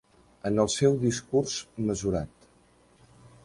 En el seu discurs mesurat...